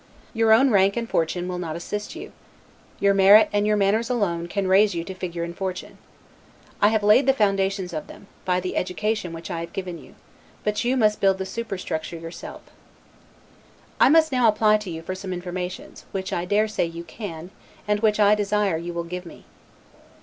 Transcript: Your own rank and fortune will not assist you; your merit and your manners can alone raise you to figure and fortune. I have laid the foundations of them, by the education which I have given you; but you must build the superstructure yourself. I must now apply to you for some informations, which I dare say you can, and which I desire you will give me.